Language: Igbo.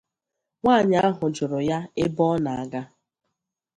Nwanyị ahụ jụrụ ya ebe ọ na-aga